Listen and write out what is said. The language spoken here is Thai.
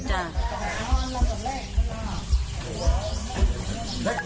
จ้ะ